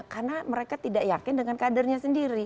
karena mereka tidak yakin dengan kadernya sendiri